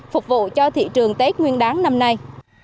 phục vụ cho thị trường tết nguyên đáng năm nay